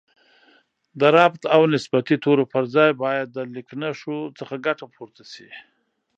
د ربط او نسبتي تورو پر ځای باید د لیکنښو څخه ګټه پورته شي